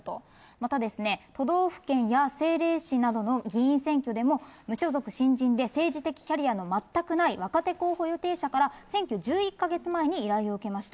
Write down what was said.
また都道府県や政令市などの議員選挙でも、無所属新人で政治的キャリアの全くない若手候補予定者から、選挙１１か月前に依頼を受けました。